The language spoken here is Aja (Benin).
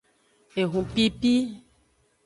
Ehupipi.